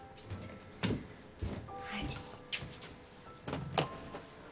はい。